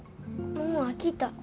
もう飽きた。